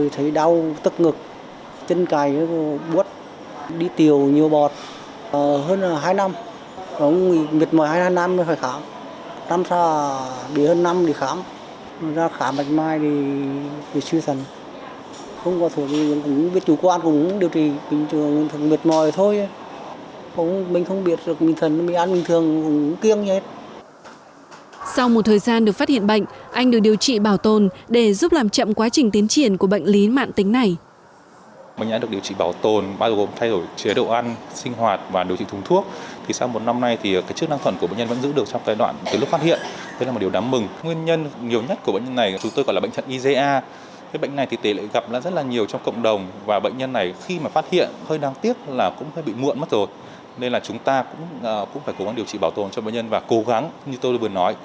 sau một thời gian được phát hiện bệnh anh được điều trị bảo tồn để giúp làm chậm quá trình tiến triển của bệnh lý mạng tính này